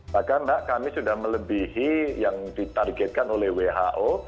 bahkan mbak kami sudah melebihi yang ditargetkan oleh who